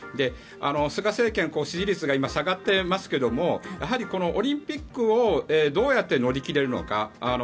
菅政権は支持率が今、下がっていますけどもやはりオリンピックをどうやって乗り切れるのか